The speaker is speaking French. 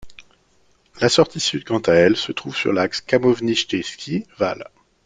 La sortie sud quant à elle se trouve sur l'axe Khamovnitcheski Val.